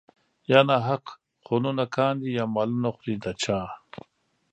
يا ناحق خونونه کاندي يا مالونه خوري د چا